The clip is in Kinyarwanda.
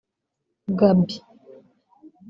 Gaby